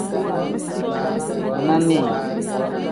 Bina nii.